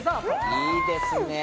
いいですね。